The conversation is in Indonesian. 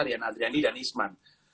rian adriandi dan isman